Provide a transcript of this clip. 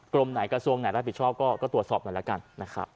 กรมไหนกระทรวงไหนรับผิดชอบก็ตรวจสอบหน่อยละกัน